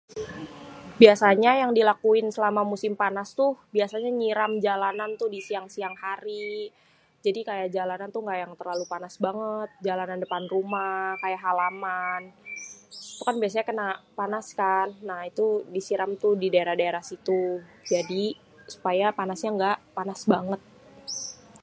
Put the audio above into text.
Biasanya yang dilakuin selama musim panas tuh, biasanya nyiram jalanan disiang-siang hari jadi kaya jalanan tuh yang èngga terlalu panas bangêt jalanan depan rumah kaya halaman, tuhkan biasanya kena panas kan nah tuh disiram didaerah-daerah situ jadi supaya panasnya ga panas banget.